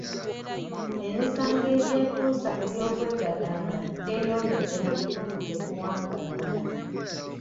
Emisango egyekuusa ku by'okwegadanga gyeyongedde mu bitundu gye tuwangaalira.